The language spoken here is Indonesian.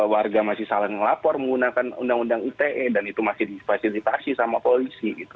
warga masih saling melapor menggunakan undang undang ite dan itu masih difasilitasi sama polisi gitu